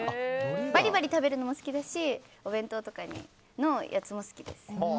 バリバリ食べるのも好きだしお弁当とかのやつも好きです。